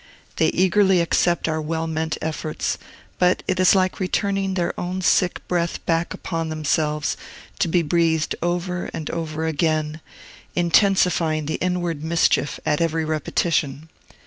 They eagerly accept our well meant efforts; but it is like returning their own sick breath back upon themselves, to be breathed over and over again, intensifying the inward mischief at every repetition.